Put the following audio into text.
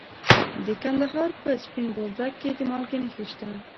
د کندهار په سپین بولدک کې د مالګې نښې شته.